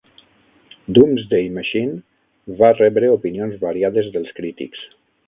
"Doomsday Machine" va rebre opinions variades dels crítics.